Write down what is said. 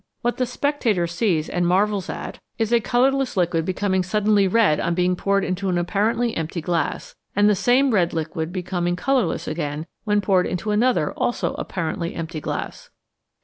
What the spectator sees and marvels at is a 87 ACIDS AND ALKALIS colourless liquid becoming suddenly red on being poured into an apparently empty glass, and the same red liquid becoming colourless again when poured into another also apparently empty glass.